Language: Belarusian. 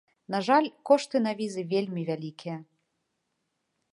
На жаль, кошты на візы вельмі вялікія.